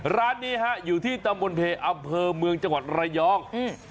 ร้านนี้อยู่ที่ตำบลเผยอบเผอเมืองจังหวัดไรยอง